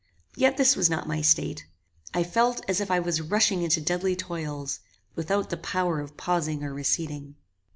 Yet this was not my state. I felt as if I was rushing into deadly toils, without the power of pausing or receding.